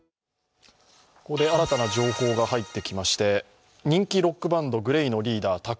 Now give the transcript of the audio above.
ここで新たな情報が入ってきまして、人気ロックバンドＧＬＡＹのリーダー